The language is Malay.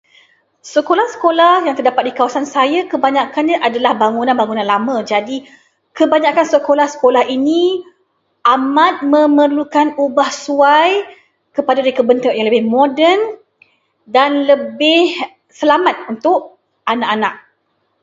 Sekolah-sekolah yang terdapat di kawasan saya kebanyakannya adalah bangunan-bangunan lama, jadi kebanyakan sekolah-sekolah ini amat memerlukan ubah suai kepada reka bentuk yang lebih moden dan lebih selamat untuk anak-anak.